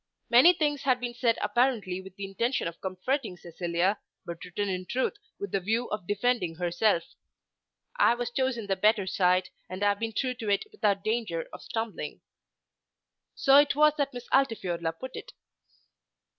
Many things had been said apparently with the intention of comforting Cecilia, but written in truth with the view of defending herself. "I have chosen the better side, and have been true to it without danger of stumbling." So it was that Miss Altifiorla put it.